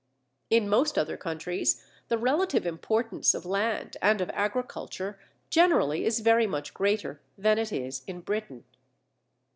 In most other countries the relative importance of land and of agriculture generally is very much greater than it is in Britain.